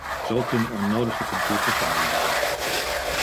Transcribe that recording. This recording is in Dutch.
Zo kunnen onnodige conflicten vermeden worden.